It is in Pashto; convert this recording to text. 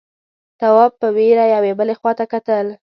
تواب په وېره يوې بلې خواته کتل…